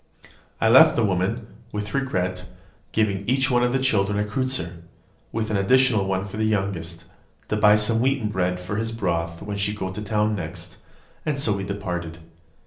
I left the woman, with regret, giving each of the children a kreutzer, with an additional one for the youngest, to buy some wheaten bread for his broth when she went to town next; and so we parted.